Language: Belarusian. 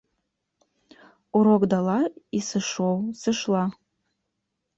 Урок дала і сышоў, сышла.